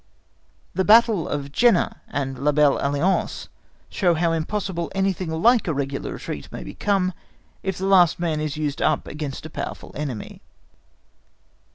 The battle of Jena and La Belle Alliance show how impossible anything like a regular retreat may become, if the last man is used up against a powerful enemy.